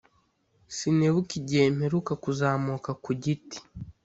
[sinibuka igihe mperuka kuzamuka ku giti.